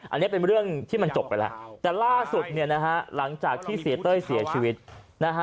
อันนี้เป็นเรื่องที่มันจบไปแล้วแต่ล่าสุดเนี่ยนะฮะหลังจากที่เสียเต้ยเสียชีวิตนะฮะ